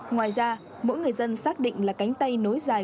ngoài ra mỗi người dân xác định là cánh tay nối dài